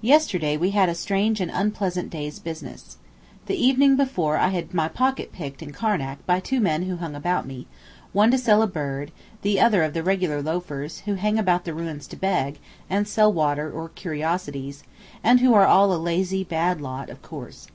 Yesterday we had a strange and unpleasant day's business. The evening before I had my pocket picked in Karnac by two men who hung about me, one to sell a bird, the other one of the regular 'loafers' who hang about the ruins to beg, and sell water or curiosities, and who are all a lazy, bad lot, of course.